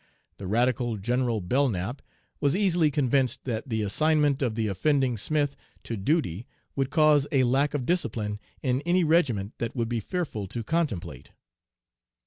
The Radical General Belknap was easily convinced that the assignment of the unoffending Smith to duty would cause a lack of discipline in any regiment that would be fearful to contemplate.